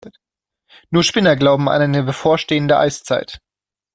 Nur Spinner glauben an eine bevorstehende Eiszeit.